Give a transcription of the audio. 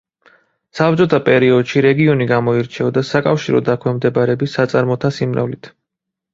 საბჭოთა პერიოდში რეგიონი გამოირჩეოდა საკავშირო დაქვემდებარების საწარმოთა სიმრავლით.